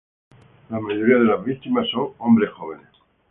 La mayoría de las víctimas son hombres jóvenes.